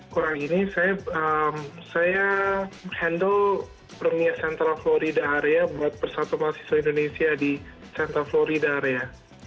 kurang ini saya handle permias central florida area buat persatu mahasiswa indonesia di centra florida area